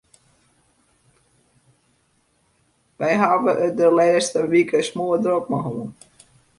Wy hawwe it der de lêste wiken smoardrok mei hân.